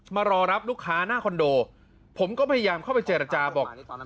มารอรับลูกค้าหน้าคอนโดผมก็พยายามเข้าไปเจรจาบอก